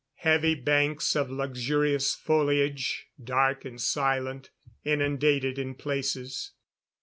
Heavy banks of luxurious foliage, dark and silent. Inundated in places.